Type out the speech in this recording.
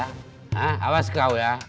hah awas kau ya